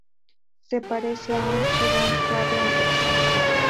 Se parece a un cheddar suave en textura.